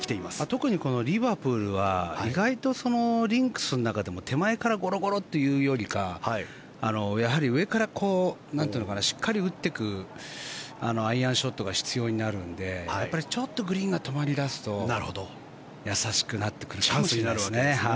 特に、このリバプールは意外とリンクスの中でも手前からゴロゴロっていうよりかやはり上からしっかり打っていくアイアンショットが必要になるのでちょっとグリーンが止まり出すと易しくなってくるかもしれないですね。